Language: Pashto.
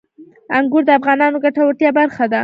انګور د افغانانو د ګټورتیا برخه ده.